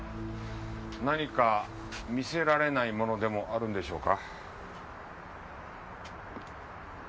何か見せられないものでもあるんでしょうか？